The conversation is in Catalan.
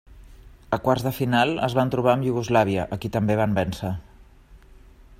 A quarts de final es van trobar amb Iugoslàvia, a qui també van vèncer.